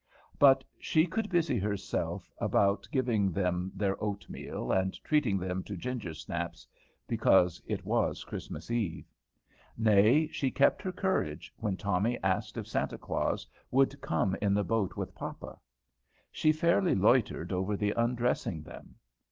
But she could busy herself about giving them their oatmeal, and treating them to ginger snaps, because it was Christmas Eve. Nay, she kept her courage, when Tommy asked if Santa Claus would come in the boat with papa. She fairly loitered over the undressing them.